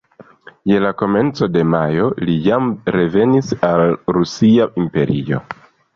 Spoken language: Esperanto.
Je la komenco de majo, li jam revenis al Rusia imperio.